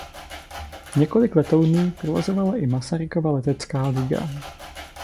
Několik letounů provozovala i Masarykova letecká liga.